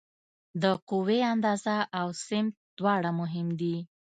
د قوې اندازه او سمت دواړه مهم دي.